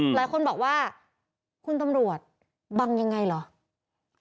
หลายคนบอกว่าคุณตำรวจบังยังไงเหรอ